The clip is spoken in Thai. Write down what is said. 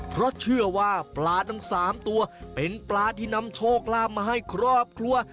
เพราะเชื่อว่าปลาทั้ง๓ตัวเป็นปลาที่นำโชคลาภมาให้ครอบครัว